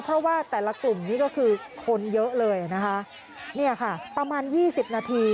เพราะว่าแต่ละกลุ่มนี้ก็คือคนเยอะเลยนะคะเนี่ยค่ะประมาณยี่สิบนาที